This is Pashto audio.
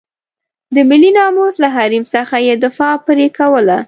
د ملي ناموس له حریم څخه یې دفاع پرې کوله.